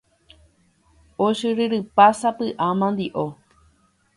Ochyryrypa sapy'a mandi'o